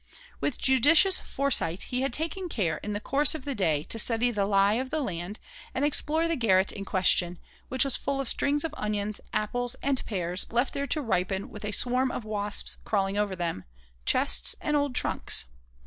With judicious foresight, he had taken care in the course of the day to study the lie of the land and explore the garret in question, which was full of strings of onions, apples and pears left there to ripen with a swarm of wasps crawling over them, chests and old trunks.